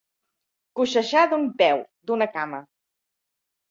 Coixejar d'un peu, d'una cama.